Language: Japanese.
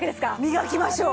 磨きましょう！